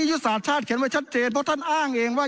ยุทธศาสตร์ชาติเขียนไว้ชัดเจนเพราะท่านอ้างเองว่า